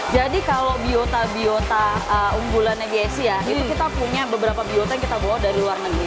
jadi kalau biota biota umbulannya bxc ya itu kita punya beberapa biota yang kita bawa dari luar negeri